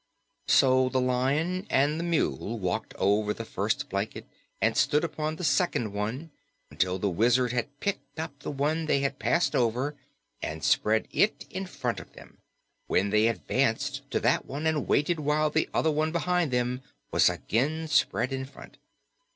So the Lion and the Mule walked over the first blanket and stood upon the second one until the Wizard had picked up the one they had passed over and spread it in front of them, when they advanced to that one and waited while the one behind them was again spread in front.